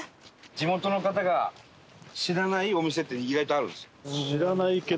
地元の方が知らないお店って意外とあるんですよ。